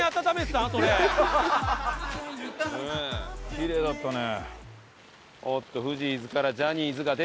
きれいだったね。